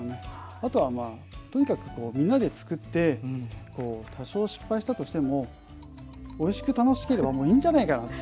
あとはまあとにかくみんなで作って多少失敗したとしてもおいしく楽しければもういいんじゃないかなと。